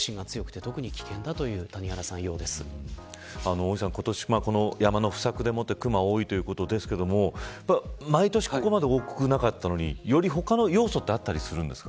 大井さん、今、年山の不作でクマが多いということですが毎年ここまで多くなかったのにより他の要素ってあったりするんですか。